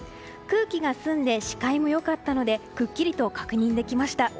空気が澄んで視界も良かったのでくっきりと確認できました。